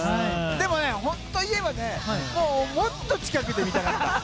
でも、本当を言えばもっと近くで見たかった。